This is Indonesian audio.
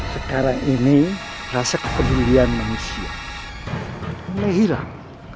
sekarang ini rasa kepedulian manusia mulai hilang